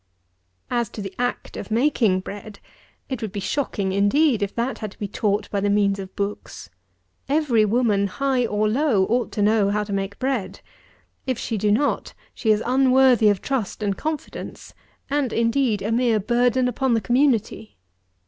86. As to the act of making bread, it would be shocking indeed if that had to be taught by the means of books. Every woman, high or low, ought to know how to make bread. If she do not, she is unworthy of trust and confidence; and, indeed, a mere burden upon the community.